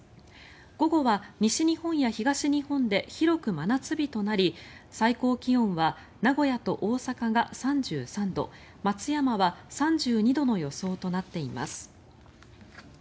午後は西日本や東日本で広く真夏日となり最高気温は名古屋と大阪が３３度松山は３２度の予想となっています。